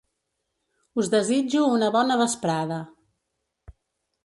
Us desitjo una bona vesprada.